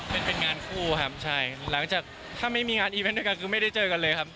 เป็นเป็นงานคู่ครับใช่หลังจากถ้าไม่มีงานอีเวนต์ด้วยกันคือไม่ได้เจอกันเลยครับ